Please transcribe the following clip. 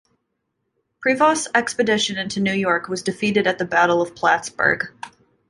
Prevost's expedition into New York was defeated at the Battle of Plattsburgh.